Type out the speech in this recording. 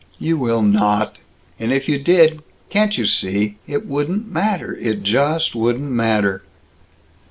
"You will not! And if you did can't you see? it wouldn't matter! It just wouldn't matter!"